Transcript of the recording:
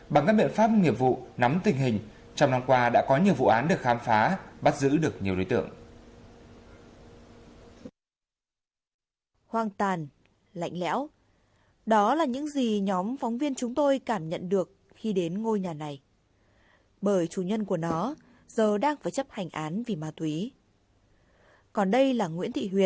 bằng các biện pháp nghiệp vụ nắm tình hình trong năm qua đã có nhiều vụ án được khám phá bắt giữ được nhiều đối tượng